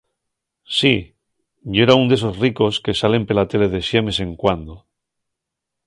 Sí, yera ún d'esos ricos que salen pela tele de xemes en cuando.